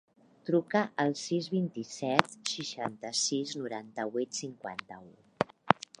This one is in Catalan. Truca al sis, vint-i-set, seixanta-sis, noranta-vuit, cinquanta-u.